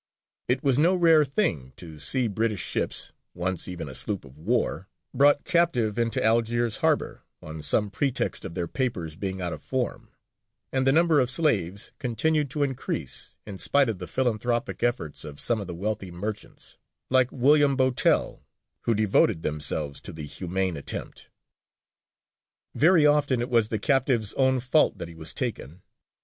It was no rare thing to see British ships once even a sloop of war brought captive into Algiers harbour, on some pretext of their papers being out of form; and the number of slaves continued to increase, in spite of the philanthropic efforts of some of the wealthy merchants, like William Bowtell, who devoted themselves to the humane attempt. Very often it was the captive's own fault that he was taken.